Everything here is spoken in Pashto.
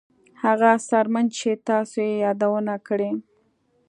هغه څرمن چې تاسو یې یادونه کړې